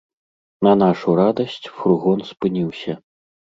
На нашу радасць, фургон спыніўся.